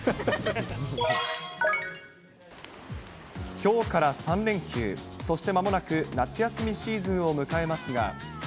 きょうから３連休、そして間もなく夏休みシーズンを迎えますが。